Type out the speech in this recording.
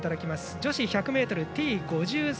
女子１００ｍＴ５３